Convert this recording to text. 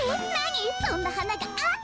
そんなはながあるの？